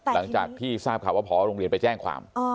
หลังจากที่ทราบข่าวว่าพอโรงเรียนไปแจ้งความ